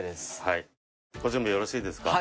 ご準備よろしいですか？